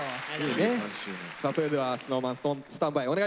さあそれではＳｎｏｗＭａｎストーンスタンバイお願いします。